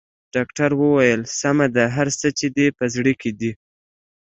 ډاکټر وويل سمه ده هر څه چې دې په زړه کې دي.